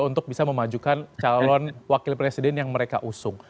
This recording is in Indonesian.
untuk bisa memajukan calon wakil presiden yang mereka usung